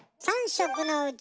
３食のうち